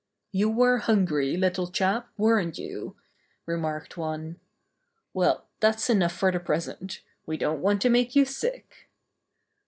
''You were hungry, little chap, weren't you?" remarked one. "Well, that's enough for the present. We don't want to make you sick."